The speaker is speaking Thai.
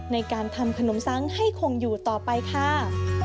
ในการทำขนมซังให้คงอยู่ต่อไปค่ะ